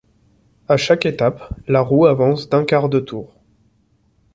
À chaque étape, la roue avance d'un quart de tour.